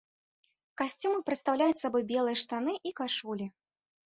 Касцюмы прадстаўляюць сабой белыя штаны і кашулі.